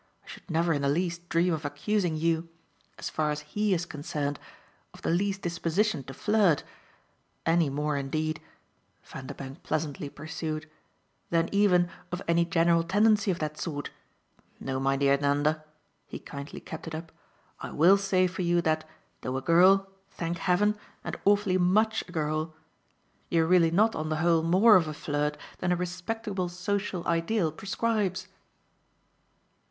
I should never in the least dream of accusing you as far as HE is concerned of the least disposition to flirt; any more indeed," Vanderbank pleasantly pursued, "than even of any general tendency of that sort. No, my dear Nanda" he kindly kept it up "I WILL say for you that, though a girl, thank heaven, and awfully MUCH a girl, you're really not on the whole more of a flirt than a respectable social ideal prescribes."